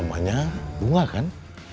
namanya dunga kan